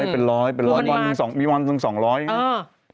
เป็นร้อยมีวันถึง๒๐๐อย่างนี้